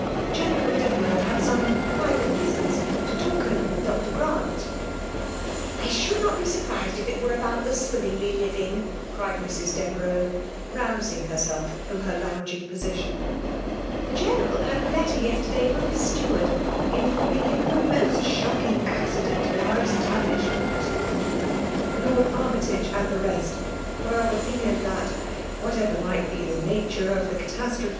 '^ Gr«iie« ral Dovereux has some private business to talk orer with Dr. Grant.*' " I should not be surprised if it were about the Swimmingley living!" cried Mrs. Dteve renipCs rousing herself from her lounging position. '^ The General had a letter yesterday from his steward, informing him of a most shocking accident in our establishment'* (Lord Armf tage and the test were of opinion that, what* ever might be the nature of thecatastro^o.